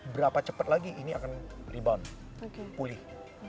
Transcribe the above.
berapa cepat lagi ini akan rebound pulih